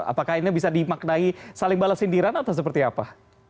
apakah ini bisa dimaknai saling balas sindiran atau seperti apa